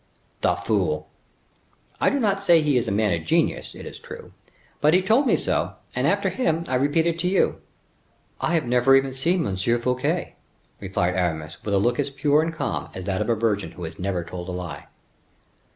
"The fool!" "I do not say he is a man of genius, it is true; but he told me so; and after him, I repeat it to you." "I have never even seen M. Fouquet," replied Aramis with a look as pure and calm as that of a virgin who has never told a lie.